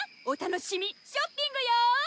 お楽しみショッピングよ！